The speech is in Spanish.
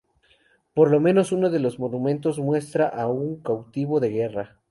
Por lo menos uno de los monumentos muestra a un cautivo de guerra.